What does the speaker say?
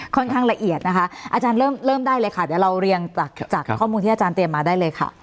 ละเอียดนะคะอาจารย์เริ่มได้เลยค่ะเดี๋ยวเราเรียงจากข้อมูลที่อาจารย์เตรียมมาได้เลยค่ะ